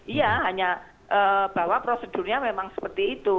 iya hanya bahwa prosedurnya memang seperti itu